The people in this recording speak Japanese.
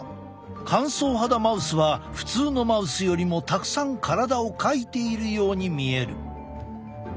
乾燥肌マウスは普通のマウスよりもたくさん体をかいているように見える。